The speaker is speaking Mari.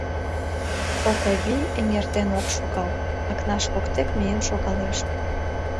Окавий эҥертен ок шогал, Акнаш воктек миен шогалеш.